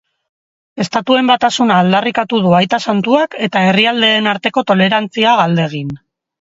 Estatuen batasuna aldarrikatu du aita santuak eta herrialdeen arteko tolerantzia galdegin.